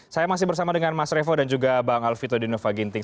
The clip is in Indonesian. saya masih bersama dengan mas revo dan juga bang alvito dinova ginting